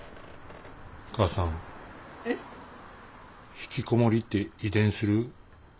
ひきこもりって遺伝する？